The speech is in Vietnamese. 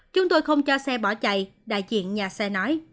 chúng tôi không cho xe bỏ chạy đại diện nhà xe nói